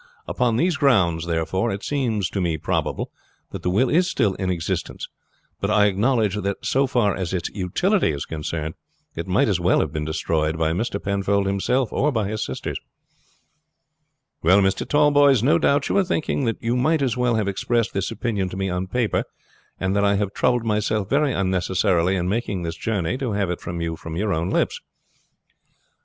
Upon these grounds, therefore, it seems to me probable that the will is still in existence; but I acknowledge that so far as its utility is concerned it might as well have been destroyed by Mr. Penfold himself or by his sisters." "Well, Mr. Tallboys, no doubt you are thinking that you might as well have expressed this opinion to me on paper, and that I have troubled myself very unnecessarily in making this journey to have it from your own lips."